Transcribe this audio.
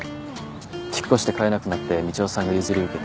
引っ越して飼えなくなってみちおさんが譲り受けて。